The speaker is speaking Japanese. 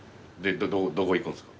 どこ行くんすか？